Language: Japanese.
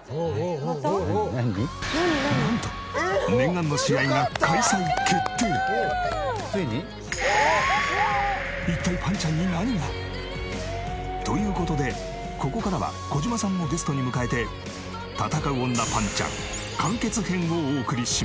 なんと一体ぱんちゃんに何が？という事でここからは児嶋さんをゲストに迎えて戦う女ぱんちゃん完結編をお送りします。